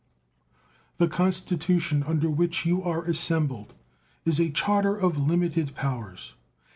The Constitution under which you are assembled is a charter of limited powers.